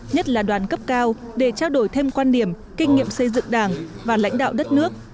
nhất là đoàn cấp cao để trao đổi thêm quan điểm kinh nghiệm xây dựng đảng và lãnh đạo đất nước